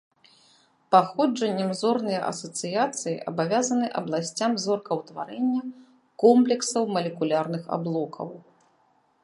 Паходжаннем зорныя асацыяцыі абавязаны абласцям зоркаўтварэння комплексаў малекулярных аблокаў.